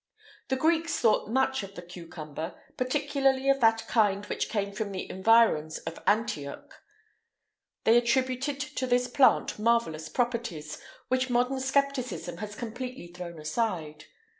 The Greeks thought much of the cucumber, particularly of that kind which came from the environs of Antioch.[IX 115] They attributed to this plant marvellous properties, which modern scepticism has completely thrown aside.